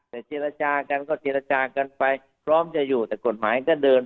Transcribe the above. แต่เจรจากันก็เจรจากันไปพร้อมจะอยู่แต่กฎหมายก็เดิน